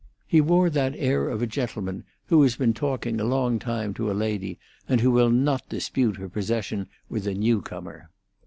He wore that air of a gentleman who has been talking a long time to a lady, and who will not dispute her possession with a new comer.